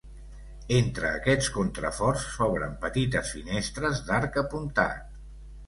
Entre aquests contraforts s'obren petites finestres d'arc apuntat.